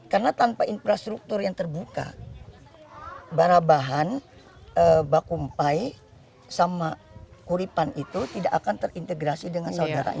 karena tanpa infrastruktur yang terbuka barabahan bakumpai sama kuripan itu tidak akan terintegrasi dengan saudaranya